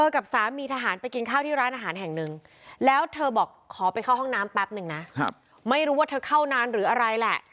ขอไปเข้าห้องน้ำแป๊บหนึ่งนะครับไม่รู้ว่าเธอเข้านานหรืออะไรแหละ